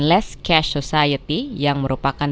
less cash society yang merupakan